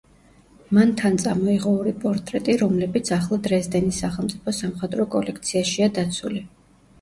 მან თან წამოიღო ორი პორტრეტი, რომლებიც ახლა დრეზდენის სახელმწიფო სამხატვრო კოლექციაშია დაცული.